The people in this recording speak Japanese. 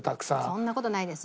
そんな事ないです。